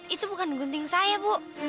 itu bukan gunting saya bu